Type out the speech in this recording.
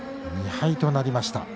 ２敗となりました。